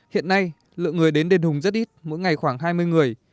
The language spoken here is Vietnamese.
hiện nay lượng người đến đền hùng rất ít mỗi ngày khoảng hai mươi người